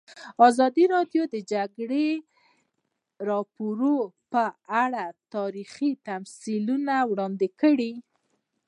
ازادي راډیو د د جګړې راپورونه په اړه تاریخي تمثیلونه وړاندې کړي.